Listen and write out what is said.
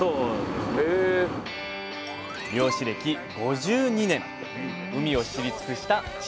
漁師歴５２年海を知り尽くした父